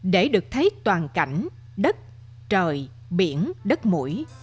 để được thấy toàn cảnh đất trời biển đất mũi